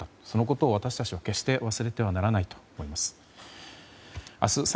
そのことを私たちは決して忘れてはならないと思います。